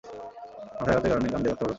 মাথায় আঘাতের কারণে কান দিয়ে রক্তপাত হচ্ছিল।